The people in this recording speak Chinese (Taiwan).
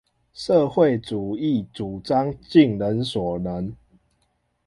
社會主義主張盡人所能